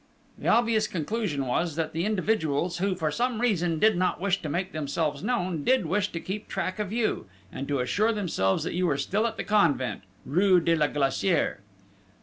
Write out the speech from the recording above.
"The obvious conclusion was, that the individuals who, for some reason, did not wish to make themselves known, did wish to keep track of you, and to assure themselves that you were still at the convent, rue de la Glacière...."